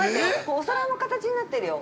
お皿の形になってるよ。